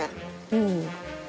うん。